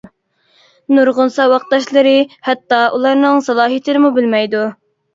نۇرغۇن ساۋاقداشلىرى ھەتتا ئۇلارنىڭ سالاھىيىتىنىمۇ بىلمەيدۇ.